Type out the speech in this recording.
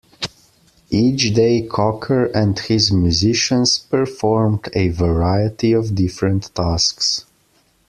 Each day, Cocker and his musicians performed a variety of different tasks.